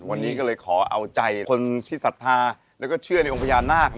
วันนี้ก็เลยขอเอาใจคนที่ศรัทธาแล้วก็เชื่อในองค์พญานาค